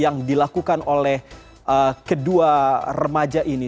yang dilakukan oleh kedua remaja ini